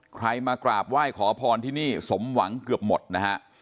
ใครมากราบไหว้ขอพรที่นี่สมหวังเกือบหมดนะฮะ